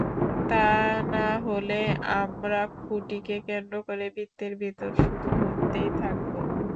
তা না হলে আমরা খুঁটিকে কেন্দ্র করে বৃত্তের ভেতর শুধু ঘুরতেই থাকব।